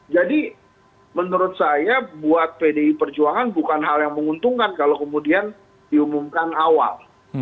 jadi menurut saya buat pdi perjuangan bukan hal yang menguntungkan kalau kemudian diumumkan awal